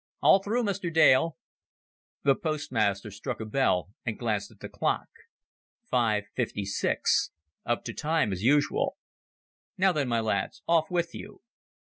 "All through, Mr. Dale." The postmaster struck a bell, and glanced at the clock. Five fifty six. Up to time, as usual. "Now then, my lads, off with you."